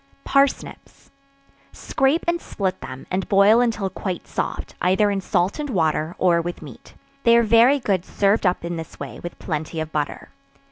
Parsnips. Scrape and split them, and boil until quite soft, either in salt and water, or with meat; they are very good served up in this way, with plenty of butter.